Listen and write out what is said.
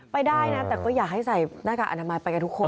ไปได้นะแต่ก็อยากให้ใส่หน้ากากอนามัยไปกับทุกคน